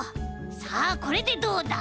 さあこれでどうだ？